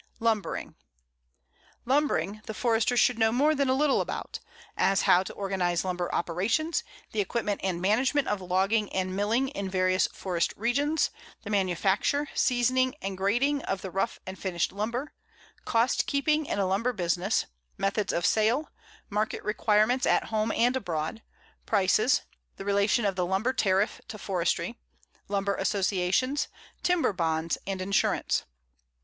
LUMBERING: Lumbering the Forester should know more than a little about, as how to organize lumber operations, the equipment and management of logging and milling in various forest regions, the manufacture, seasoning, and grading of the rough and finished lumber, cost keeping in a lumber business, methods of sale, market requirements at home and abroad, prices, the relation of the lumber tariff to forestry, lumber associations, timber bonds, and insurance.